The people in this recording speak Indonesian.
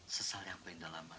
sesal yang kuindah lama